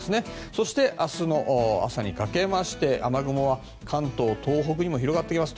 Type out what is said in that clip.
そして、明日の朝にかけまして雨雲は関東、東北にも広がってきます。